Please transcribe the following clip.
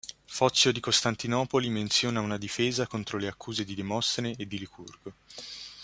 Fozio di Costantinopoli menziona una "Difesa contro le accuse di Demostene e di Licurgo".